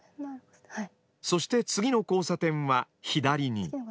そして次の交差点は左に。